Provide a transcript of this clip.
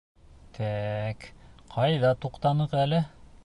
Тә-әк, ҡайҙа туҡтаныҡ әле?